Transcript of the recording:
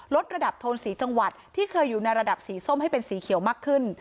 ลดระดับโทนสีจังหวัดที่เคยอยู่ในระดับสีส้มให้เป็นสีเขียวมากขึ้น